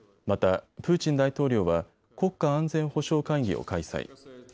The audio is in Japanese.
またプーチン大統領は国家安全保障会議を開催。